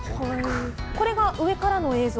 これが上からの映像。